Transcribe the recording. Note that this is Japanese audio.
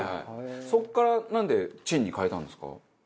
そっからなんでチンに変えたんですか？